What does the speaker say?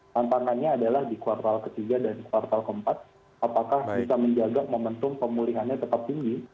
tantangannya adalah di kuartal ketiga dan kuartal keempat apakah bisa menjaga momentum pemulihannya tetap tinggi